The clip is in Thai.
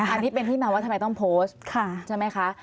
อันนี้เป็นที่มาว่าทำไมต้องโพสต์ใช่ไหมคะ